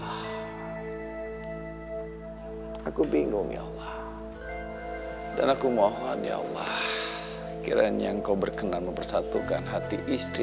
hai aku bingung ya allah dan aku mohon ya allah kiranya engkau berkenan mempersatukan hati istri